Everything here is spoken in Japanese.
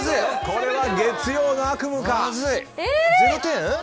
これは月曜の悪夢か！